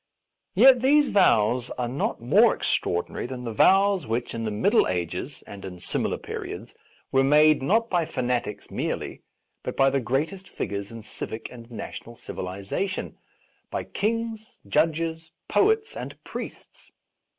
Yet these vows are not more extra ordinary than the vows which in the Middle A Defence of Rash Vows Ages and in similar periods were made, not by fanatics merely, but by the greatest figures in civic and national civilization — by kings, judges, poets, and priests.